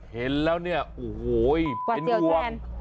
เห็นแล้วเนี่ยโอ้โหเป็นห่วง